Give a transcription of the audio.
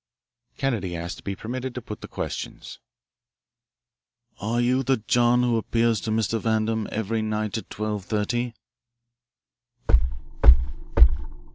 Kennedy asked to be permitted to put the questions. "Are you the 'John' who appears to Mr. Vandam every night at twelve thirty?"